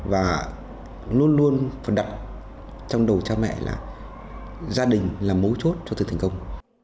và luôn luôn phần đặt trong đầu cha mẹ là gia đình là mối chốt cho tự thành công